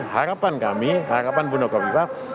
harapan kami harapan bunda kofifa